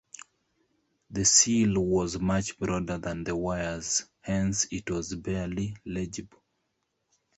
The seal was much broader than the wires hence it was barely legible.